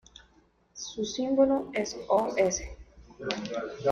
Su símbolo es Os.